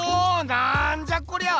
なんじゃこりゃ！